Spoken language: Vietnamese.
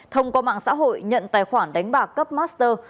thông qua mạng xã hội nhận tài khoản đánh bạc cấp master